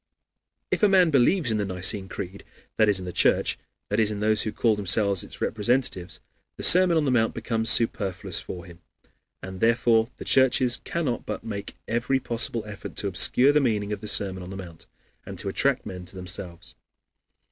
If a man believes in the Nicene Creed, that is, in the Church, that is, in those who call themselves its representatives, the Sermon on the Mount becomes superfluous for him. And therefore the churches cannot but make every possible effort to obscure the meaning of the Sermon on the Mount, and to attract men to themselves.